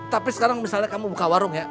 tapi sekarang misalnya kamu buka warung ya